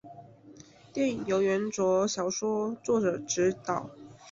电影由原着小说作者执导。